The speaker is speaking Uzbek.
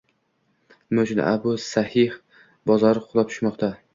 Nima uchun Abu Sahih bozori qulab tushmoqda?